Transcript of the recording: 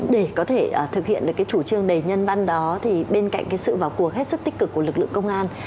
để có thể thực hiện được chủ trương đề nhân văn đó bên cạnh sự vào cuộc hết sức tích cực của lực lượng công an